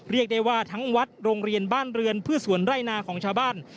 เรียกได้ว่าทั้งวัดโรงเรียนบ้านเรือนพืชสวนไร่นาของชาวบ้าน